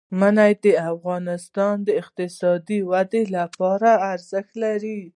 منی د افغانستان د اقتصادي ودې لپاره ارزښت لري.